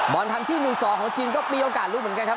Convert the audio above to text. ทำที่๑๒ของจีนก็มีโอกาสรู้เหมือนกันครับ